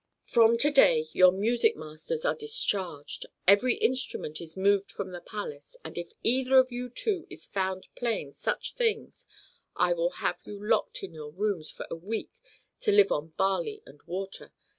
From to day your music masters are discharged, every instrument is moved from the palace, and if either of you two is found playing such things I will have you locked in your rooms for a week to live on barley and water.